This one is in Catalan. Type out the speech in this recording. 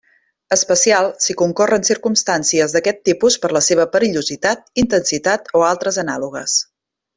Especial, si concorren circumstàncies d'aquest tipus per la seva perillositat, intensitat o altres anàlogues.